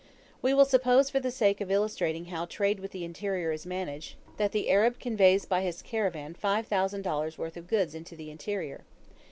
We will suppose, for the sake of illustrating how trade with the interior is managed, that the Arab conveys by his caravan $5,000's worth of goods into the interior.